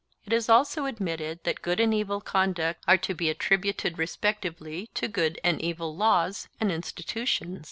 It is also admitted that good and evil conduct are to be attributed respectively to good and evil laws and institutions.